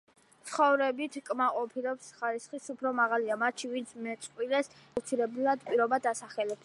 ცხოვრებით კმაყოფილების ხარისხი უფრო მაღალია მათში, ვინც მეწყვილეს კეთილდღეობისთვის აუცილებელ პირობად ასახელებს.